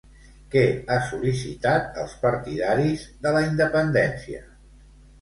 Què ha sol·licitat als partidaris de la independència?